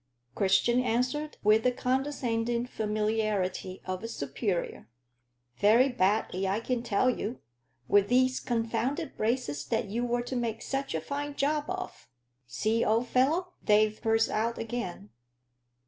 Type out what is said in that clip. Christian answered with the condescending familiarity of a superior. "Very badly, I can tell you, with these confounded braces that you were to make such a fine job of. See, old fellow, they've burst out again."